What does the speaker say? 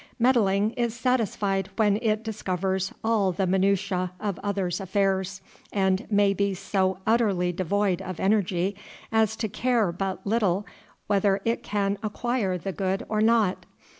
Meddling is satisfied when it discovers all the minutiæ of others' affairs, and may be so utterly devoid of energy as to care but little whether it can acquire the good or not.